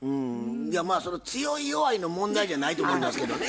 まあその強い弱いの問題じゃないと思いますけどね。